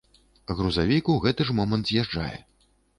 Грузавік у гэты ж момант з'язджае.